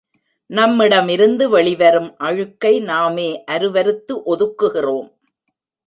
நம்மிடமிருந்து வெளிவரும் அழுக்கை நாமே அருவருத்து ஒதுக்குகிறோம்.